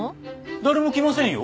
誰も来ませんよ。